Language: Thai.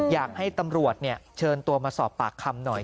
อยากให้ตำรวจเชิญตัวมาสอบปากคำหน่อย